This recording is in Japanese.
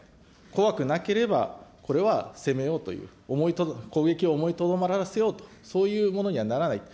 怖くなければ、これは攻めようという、攻撃を思いとどまらせようと、そういうものにはならない。